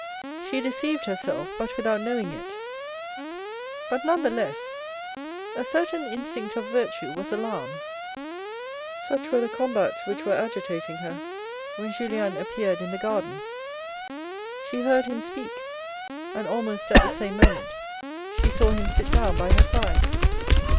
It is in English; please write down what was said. She deceived herself, but without knowing it. But none the less, a certain instinct of virtue was alarmed. Such were the combats which were agitating her when Julien appeared in the garden. She heard him speak and almost at the same moment she saw him sit down by her side.